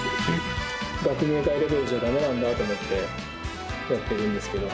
学芸会レベルじゃだめなんだと思って、やってるんですけど。